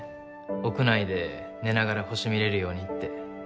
屋内で寝ながら星見れるようにって。